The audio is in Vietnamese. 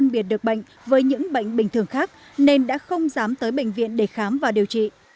biệt được bệnh với những bệnh bình thường khác nên đã không dám tới bệnh viện để khám và điều trị